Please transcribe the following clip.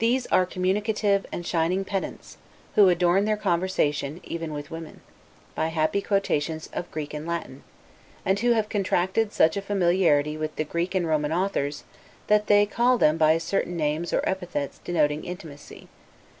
These are the communicative and shining pedants, who adorn their conversation, even with women, by happy quotations of Greek and Latin; and who have contracted such a familiarity with the Greek and Roman authors, that they, call them by certain names or epithets denoting intimacy.